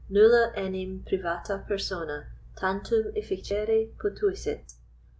Nulla enim privata persona tantum efficere potuisset.